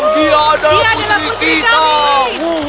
dia adalah putri kami